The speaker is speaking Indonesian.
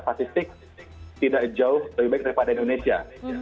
statistik tidak jauh lebih baik daripada indonesia